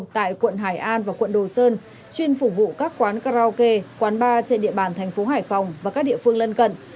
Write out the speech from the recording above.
tại quận hải an và quận đồ sơn chuyên phục vụ các quán karaoke quán bar trên địa bàn thành phố hải phòng và các địa phương lân cận